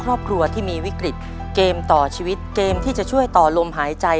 ในแคมเปญพิเศษเกมต่อชีวิตโรงเรียนของหนู